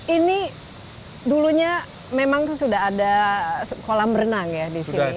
ini dulunya memang sudah ada kolam berenang ya di sini